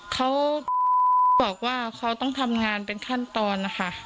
เขาบอกว่าเขาต้องทำงานเป็นขั้นตอนนะคะ